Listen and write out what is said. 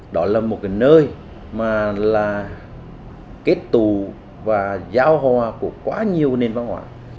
đó là một cái nơi mà là kết tù và giao hòa của quá nhiều nền văn hóa